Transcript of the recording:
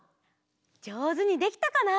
じょうずにできたかな？